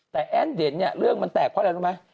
แต่แอ้นเด่นเนี่ยเรื่องมันแตกเพราะอะไรรู้ไหม